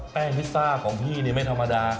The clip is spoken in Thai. แป้งพิซซ่าของพี่นี่ไม่ธรรมดา